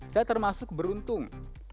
saya termasuk beruntung